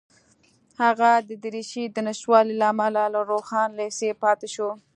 هغه د دریشۍ د نشتوالي له امله له روښان لېسې پاتې شو